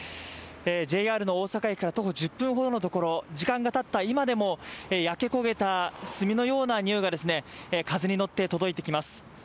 ＪＲの大阪駅から徒歩１０分ほどのところ、時間がたった今でも焼け焦げた炭のような臭いが風に乗って届いてきます。